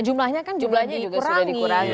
jumlahnya kan juga sudah dikurangi